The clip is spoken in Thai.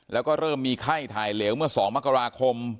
แล้วก็เริ่มมีไข้ถ่ายเหลวเมื่อ๒มกราคม